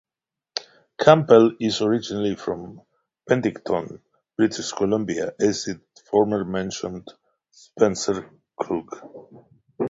Campbell is originally from Penticton, British Columbia, as is former member Spencer Krug.